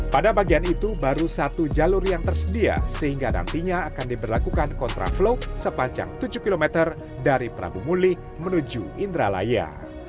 pada bagian itu baru satu jalur yang tersedia sehingga nantinya akan diberlakukan kontraflow sepanjang tujuh km dari prabu mulih menuju indralaya